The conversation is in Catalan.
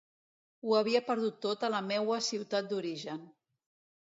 Ho havia perdut tot a la meua ciutat d'origen.